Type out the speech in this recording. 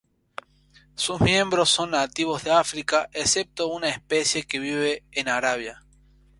Sus miembros son nativos de África, excepto una especie que vive en Arabia.